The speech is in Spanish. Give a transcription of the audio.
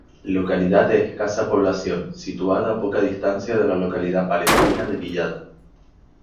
Localidad de escasa población situada a poca distancia de la localidad palentina de Villada.